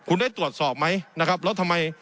คุณได้ตรวจสอบไหมนะครับแล้วทำไม